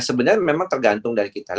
sebenarnya memang tergantung dari kita